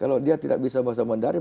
kalau dia tidak bisa bahasa mandaring